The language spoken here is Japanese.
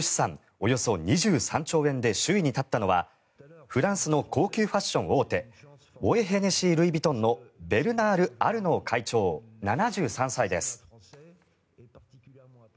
およそ２３兆円で首位に立ったのはフランスの高級ファッション大手モエ・ヘネシー・ルイ・ヴィトンのベルナール・アルノー会長７３歳です。